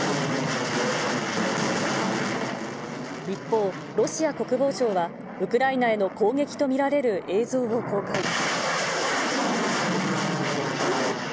一方、ロシア国防省は、ウクライナへの攻撃と見られる映像を公開。